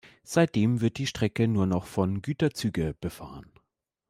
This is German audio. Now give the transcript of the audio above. Seitdem wird die Strecke nur noch von Güterzüge befahren.